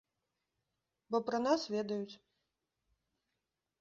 Бо пра нас ведаюць.